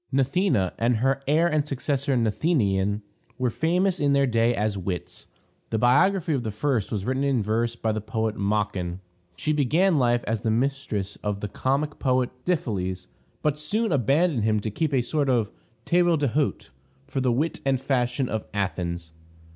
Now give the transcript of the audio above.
Gnathena, and her heir and successor, Gnathenion, were famous in their day as wits; the biography of the first was written in verse by the poet Machon. She began life as the mistress of the comic poet Dyphiles, but soon abandoned him to keep a sort of table d'hôte for the wit and fashion of Athens.